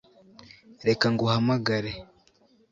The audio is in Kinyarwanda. Reka nguhamagare